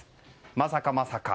まさか、まさか。